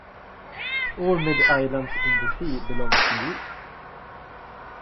All major islands in the sea belong to Greece.